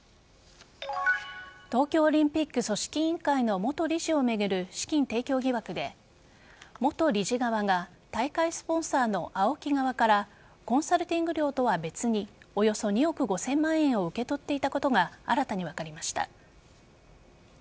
東京オリンピック組織委員会の元理事を巡る資金提供疑惑で元理事側が大会スポンサーのＡＯＫＩ側からコンサルティング料とは別におよそ２億５０００万円を受け取っていたことが新たに分かりました。